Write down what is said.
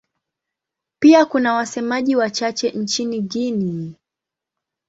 Pia kuna wasemaji wachache nchini Guinea.